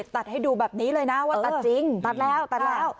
ตัดให้ดูแบบนี้เลยนะว่าตัดจริงตัดแล้วตัดแล้ว